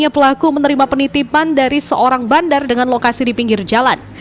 pelaku menerima penitipan dari seorang bandar dengan lokasi di pinggir jalan